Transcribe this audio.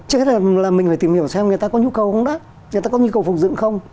trước hết là mình phải tìm hiểu xem người ta có nhu cầu không đó người ta có nhu cầu phục dựng không